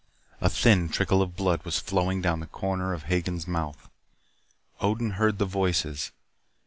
A thin trickle of blood was flowing down the corner of Hagen's mouth. Odin heard the voices.